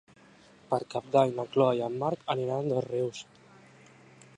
Per Cap d'Any na Chloé i en Marc aniran a Dosrius.